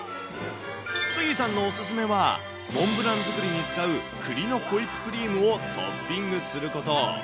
スギさんのお勧めは、モンブラン作りに使うクリのホイップクリームをトッピングすること。